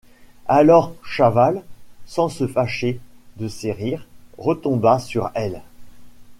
Alors, Chaval, sans se fâcher de ces rires, retomba sur elle.